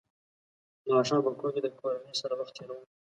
ماښام په کور کې د کورنۍ سره وخت تېروم.